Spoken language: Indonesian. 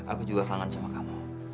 aku juga kangen sama kamu